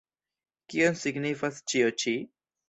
Kion signifas ĉio ĉi?